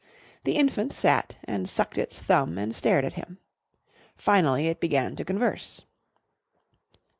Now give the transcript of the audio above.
The infant sat and sucked its thumb and stared at him. Finally it began to converse.